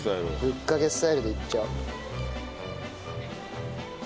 ぶっかけスタイルでいっちゃおう。